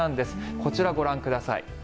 こちら、ご覧ください。